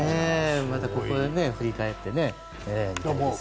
また、これで振り返ってみたいですね。